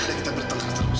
tadi kita bertengkar terus